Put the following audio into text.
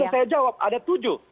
tadi kan saya jawab ada tujuh